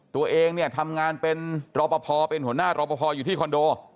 ตัวเองเนี่ยทำงานเป็นรอปภเป็นหัวหน้ารอปภอยู่ที่คอนโด